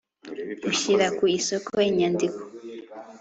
Ushyira ku isoko inyandiko